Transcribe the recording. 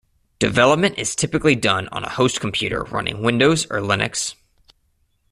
Development is typically done on a host computer running Windows or Linux.